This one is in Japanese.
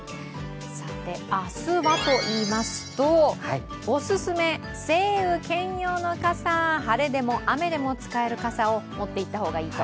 明日はといいますと、オススメ、晴雨兼用の傘、晴れでも雨でも使える傘を持っていった方がいいと。